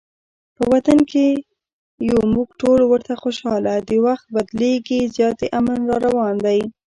په وطن کې یو مونږ ټول ورته خوشحاله، وخت بدلیږي زیاتي امن راروان دی